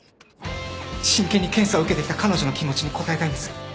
真剣に検査を受けてきた彼女の気持ちに応えたいんです。